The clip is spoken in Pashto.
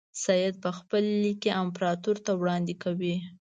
سید په خپل لیک کې امپراطور ته وړاندیز کوي.